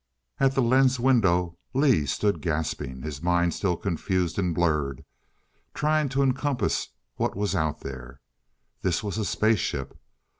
At the lens window Lee stood gasping, his mind still confused and blurred, trying to encompass what was out there. This was a spaceship!